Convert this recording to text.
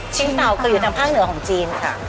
ชิงเต่าก็อยู่ทางภาคเหนือของจีนค่ะ